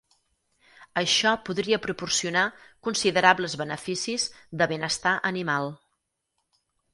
Això podria proporcionar considerables beneficis de benestar animal.